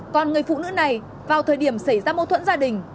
còn người phụ nữ này vào thời điểm xảy ra mâu thuẫn gia đình